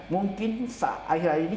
mungkin akhir akhir ini